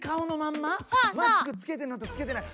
マスクつけてんのとつけてない。